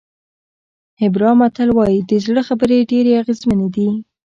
هېبرا متل وایي د زړه خبرې ډېرې اغېزمنې دي.